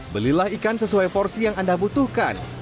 belilah ikan sesuai porsi yang anda butuhkan